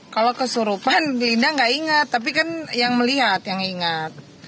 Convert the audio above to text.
kalau kesurupan linda gak ingat tapi kan yang melihat yang ingat